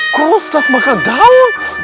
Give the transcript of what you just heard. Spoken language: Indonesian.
kok ustadz makan daun